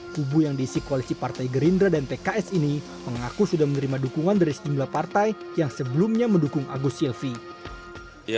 kubu yang diisi koalisi partai gerindra dan pks ini mengaku sudah menerima dukungan dari sejumlah partai yang sebelumnya mendukung agus silvi